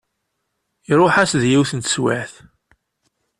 Iruḥ-as deg yiwet n teswiɛt.